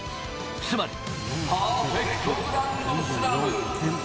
つまりパーフェクトグランドスラム。